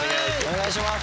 お願いします